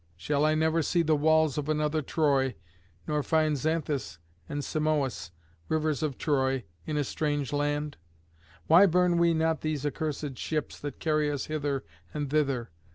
Shall I never see the walls of another Troy, nor find Xanthus and Simoïs, rivers of Troy, in a strange land? Why burn we not these accursed ships that carry us hither and thither.